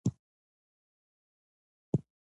اوړي د افغانانو لپاره په معنوي لحاظ ارزښت لري.